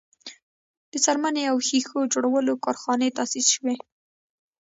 د څرمنې او ښیښو جوړولو کارخانې تاسیس شوې.